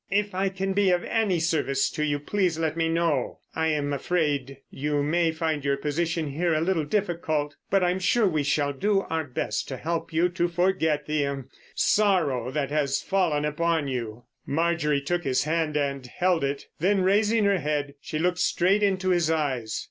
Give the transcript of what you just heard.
"If I can be of any service to you please let me know. I'm afraid you may find your position here a little difficult—but I'm sure we shall do our best to help you to forget the—er—the sorrow that has fallen upon you." Marjorie took his hand and held it. Then, raising her head, she looked straight into his eyes.